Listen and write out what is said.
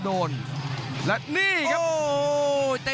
โอ้โหเดือดจริงครับ